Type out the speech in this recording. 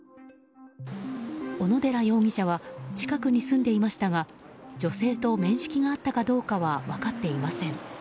小野寺容疑者は近くに住んでいましたが女性と面識があったかどうかは分かっていません。